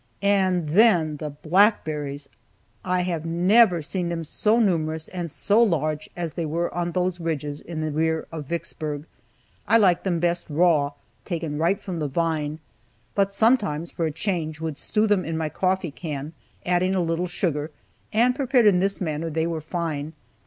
And then the blackberries! I have never seen them so numerous and so large as they were there on those ridges in the rear of Vicksburg. I liked them best raw, taken right from the vine, but sometimes, for a change, would stew them in my coffee can, adding a little sugar, and prepared in this manner they were fine.